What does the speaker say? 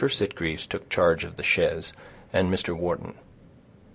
Sitgreaves took charge of the chaise and Mr. Wharton.